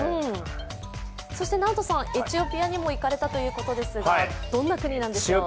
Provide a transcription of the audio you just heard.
そしてナオトさん、エチオピアにも行かれたということですがどんな国でしょう？